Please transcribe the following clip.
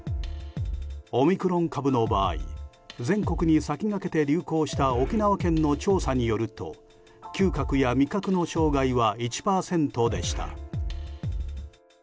オミクロン株の場合全国に先駆けて流行した沖縄県の調査によると嗅覚や味覚の障害は１％でした。